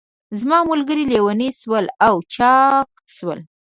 زما ملګري لیوني شول او چاغ شول.